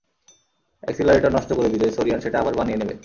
Accelerator নষ্ট করে দিলে, সোরিয়ান সেটা আবার বানিয়ে নেবে।